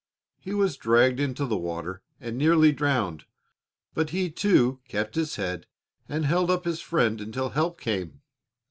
He was dragged into the water and nearly drowned, but he, too, kept his head and held up his friend until help came.